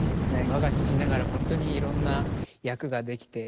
我が父ながら本当にいろんな役ができて。